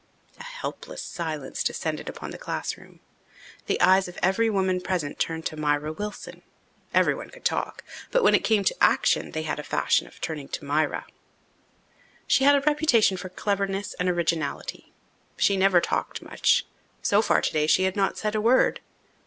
A helpless silence descended upon the classroom. The eyes of every woman present turned to Myra Wilson. Everyone could talk, but when it came to action they had a fashion of turning to Myra. She had a reputation for cleverness and originality. She never talked much. So far today she had not said a word.